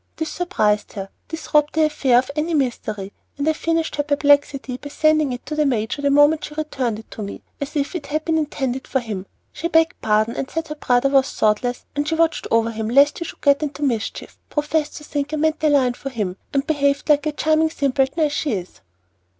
This surprised her, this robbed the affair of any mystery, and I finished her perplexity by sending it to the major the moment she returned it to me, as if it had been intended for him. She begged pardon, said her brother was thoughtless, and she watched over him lest he should get into mischief; professed to think I meant the line for him, and behaved like a charming simpleton, as she is."